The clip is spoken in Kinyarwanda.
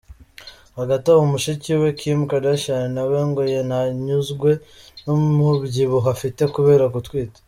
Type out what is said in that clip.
Hagati aho mushiki we Kim Kardashian nawe ngo ntanyuzwe n’umubyibuho afite kubera gutwita.